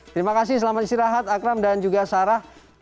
terima kasih selamat istirahat akram dan juga sarah